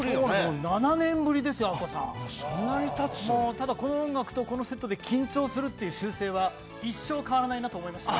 ただこの音楽とこのセットで緊張するっていう習性は一生変わらないなと思いました。